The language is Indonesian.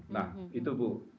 nah itu bu